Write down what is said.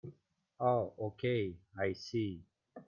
Oh okay, I see.